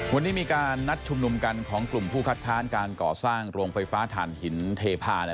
วันนี้มีการนัดชุมนุมกันของกลุ่มผู้คัดค้านการก่อสร้างโรงไฟฟ้าฐานหินเทพา